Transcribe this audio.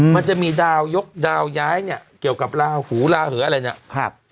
มันจะมีดาวยกดาวย้ายเนี่ยเกี่ยวกับลาหูลาเหออะไรเนี่ย